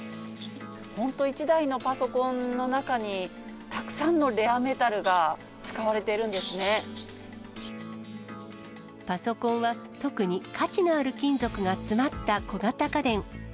本当、１台のパソコンの中に、たくさんのレアメタルが使われているんでパソコンは、特に価値のある金属が詰まった小型家電。